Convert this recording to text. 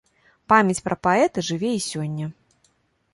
Памяць пра паэта жыве і сёння.